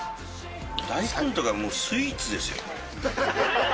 大根とかもう、スイーツですよ。